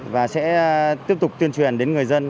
và sẽ tiếp tục tuyên truyền đến người dân